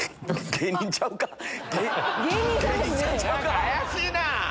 怪しいなぁ。